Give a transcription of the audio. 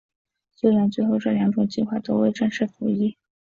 虽然最后这两种计划都未正式服役。